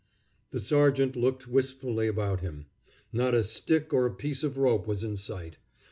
The sergeant looked wistfully about him. Not a stick or a piece of rope was in sight.